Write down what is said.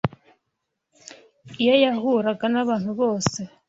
Iyo yahuraga n’abantu bose